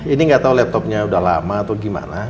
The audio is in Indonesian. ini gak tau laptopnya udah lama atau gimana